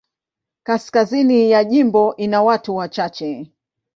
Kaskazini ya jimbo ina watu wachache.